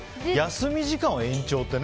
休み時間を延長ってね。